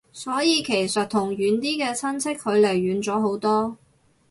所以其實同遠啲嘅親戚距離遠咗好多